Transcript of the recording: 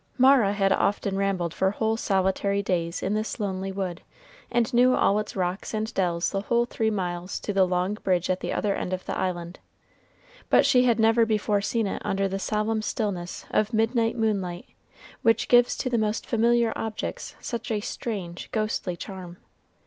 Mara had often rambled for whole solitary days in this lonely wood, and knew all its rocks and dells the whole three miles to the long bridge at the other end of the island. But she had never before seen it under the solemn stillness of midnight moonlight, which gives to the most familiar objects such a strange, ghostly charm.